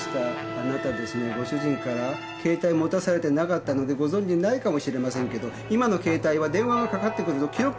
あなたですねご主人から携帯持たされてなかったのでご存じないかもしれませんけど今の携帯は電話が掛かってくると記録が残るんです。